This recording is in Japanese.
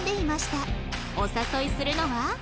お誘いするのは